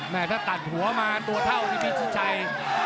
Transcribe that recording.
แม่ถ้าตัดหัวมาตัวเท่าที่พี่ชิชัย